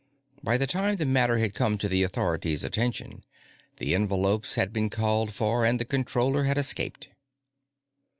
By the time the matter had come to the authorities' attention, the envelopes had been called for and the Controller had escaped.